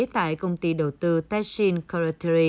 tại công ty đầu tư tashin corp